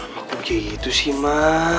mama kok gitu sih ma